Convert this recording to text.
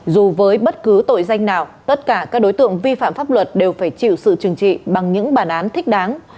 dù với bất cứ tội danh nào tất cả các đối tượng vi phạm pháp luật đều phải chịu sự trừng trị bằng những bản án thích đáng